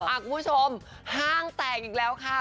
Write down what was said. คุณผู้ชมห้างแตกอีกแล้วค่ะ